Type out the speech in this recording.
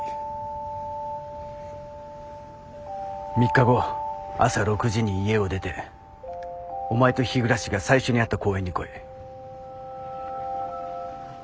３日後朝６時に家を出てお前と日暮が最初に会った公園に来い。